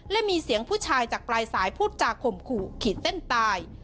และมีเสียงผู้ชายจากปลายสายพูดจากข่มขู่ขีดเส้นตาย